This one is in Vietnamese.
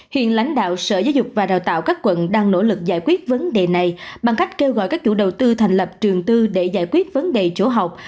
hiện lãnh đạo sở giáo dục và đào tạo các quận đang nỗ lực giải quyết vấn đề này bằng cách kêu gọi các chủ đầu tư thành lập trường tư để giải quyết vấn đề chỗ học